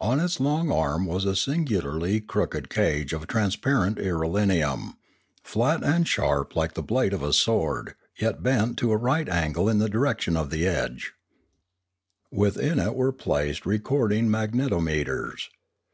On its long arm was a singularly crooked cage of transparent irelium, flat and sharp like the blade of a sword yet bent into a right angle in the direction of the edge. Pioneering 479 Within it were placed recording magnetometers.